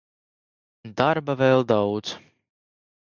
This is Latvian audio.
Darba vēl daudz.